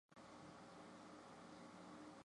扁肢紧腹溪蟹为溪蟹科紧腹溪蟹属的动物。